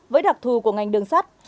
với đặc thù của ngành đường sắt